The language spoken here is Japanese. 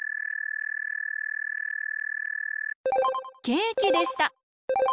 ケーキでした！